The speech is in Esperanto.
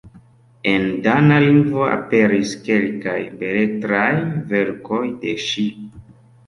En dana lingvo aperis kelkaj beletraj verkoj de ŝi.